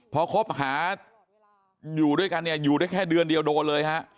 พอคบหาอยู่ด้วยกันเนี่ยอยู่ได้แค่เดือนเดียวโดนเลยฮะ